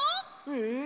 えっ